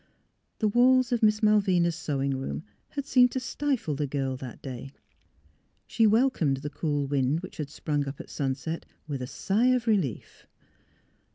The walls of Miss Malvina's sewing room had seemed to stifle the girl that day; she welcomed the cool wind which had sprung up at sunset with a sigh MILLY 359 of relief.